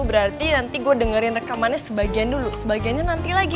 berarti nanti gue dengerin rekamannya sebagian dulu sebagiannya nanti lagi